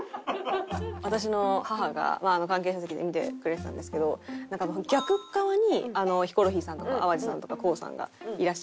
私の母が関係者席で見てくれてたんですけどなんか逆側にヒコロヒーさんとか淡路さんとかＫＯＯさんがいらっしゃって。